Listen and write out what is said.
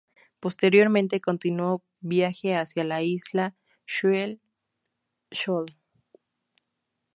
Posteriormente continúo viaje hacia la isla Choele Choel.